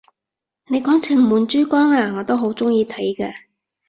你講情滿珠江咓，我都好鍾意睇㗎！